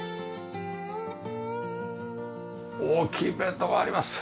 大きいベッドがあります。